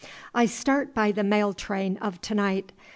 "I start by the mail train of to night.